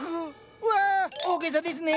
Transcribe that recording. うわ大げさですね！